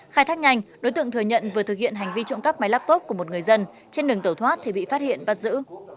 khai thác nhanh đối tượng thừa nhận vừa thực hiện hành vi trộm cắp máy laptop của một người dân trên đường tẩu thoát thì bị phát hiện bắt giữ